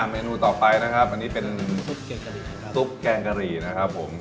เมนูต่อไปนะครับอันนี้เป็นซุปแกงกะหรี่นะครับผม